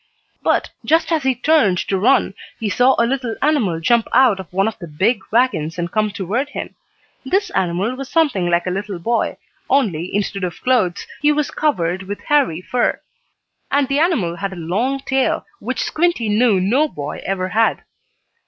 But, just as he turned to run, he saw a little animal jump out of one of the big wagons, and come toward him. This animal was something like a little boy, only, instead of clothes, he was covered with hairy fur. And the animal had a long tail, which Squinty knew no boy ever had.